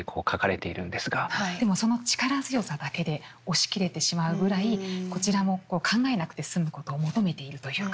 でもその力強さだけで押し切れてしまうぐらいこちらも考えなくて済むことを求めているというか。